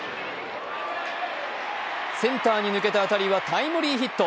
センターに抜けた当たりはタイムリーヒット。